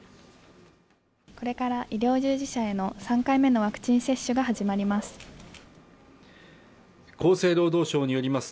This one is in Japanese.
これから医療従事者への３回目のワクチン接種が始まります